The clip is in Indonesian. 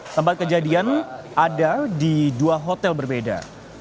tempat kejadian ada di dua hotel berbeda